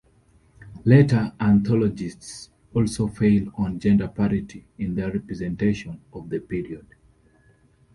Later anthologists, also fail on gender parity in their representations of the period.